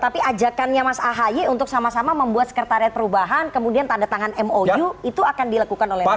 tapi ajakannya mas ahaye untuk sama sama membuat sekretariat perubahan kemudian tanda tangan mou itu akan dilakukan oleh pak jokowi